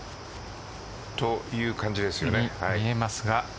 という感じですよね。